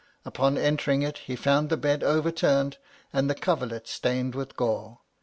Upon entering it, he found the bed overturned, and the coverlet stained with gore.